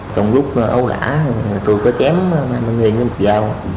trong lúc ấu đả tôi có chém hai mươi đồng một dao